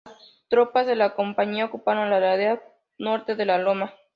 Las tropas de la Compañía ocuparon la ladera norte de la loma.